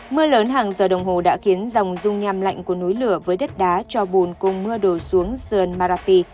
mưa lớn hàng giờ đồng hồ đã khiến dòng rung nhăm lạnh của núi lửa với đất đá cho bùn cung mưa đổ xuống sơn marathi